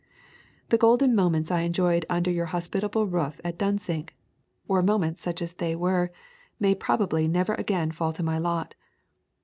The golden moments I enjoyed under your hospitable roof at Dunsink, or moments such as they were, may probably never again fall to my lot.